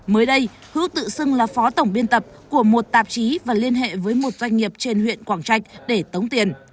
mới đây hữu tự xưng là phó tổng biên tập của một tạp chí và liên hệ với một doanh nghiệp trên huyện quảng trạch để tống tiền